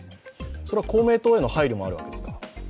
それは公明党への配慮もあるわけですか？